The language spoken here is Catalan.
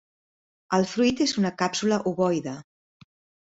El fruit és una càpsula ovoide.